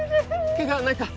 けがはないか？